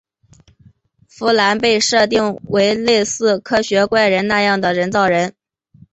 芙兰被设定为类似科学怪人那样的人造人。